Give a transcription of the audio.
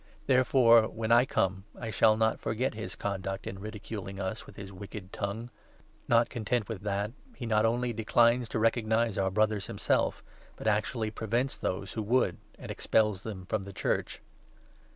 There 10 fore, when I come, I shall not forget his conduct in ridiculing us with his wicked tongue. Not content with that, he not only declines to recognize our Brothers. himself, but actually prevents those who would, and expels them from the Church.